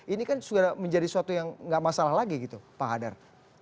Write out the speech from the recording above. ini kan sudah menjadi suatu yang nggak masalah lagi gitu pak hadar